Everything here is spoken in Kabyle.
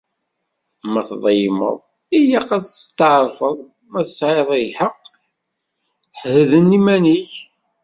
Ma tḍelmeḍ, ilaq ad tsetεerfeḍ. Ma tesεiḍ lḥeqq, hedden iman-ik.